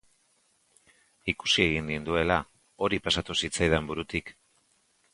Ikusi egin ninduela, hori pasatu zitzaidan burutik.